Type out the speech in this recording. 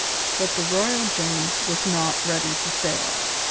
But the Royal James was not ready to sail.